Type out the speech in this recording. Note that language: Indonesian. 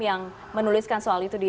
yang menuliskan soal itu di